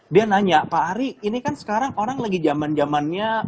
dia nanya pak ari ini kan sekarang orang lagi zaman zamannya